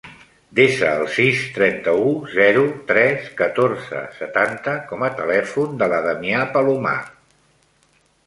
Desa el sis, trenta-u, zero, tres, catorze, setanta com a telèfon de la Damià Palomar.